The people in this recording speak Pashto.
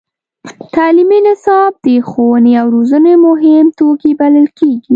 تعلیمي نصاب د ښوونې او روزنې مهم توکی بلل کېږي.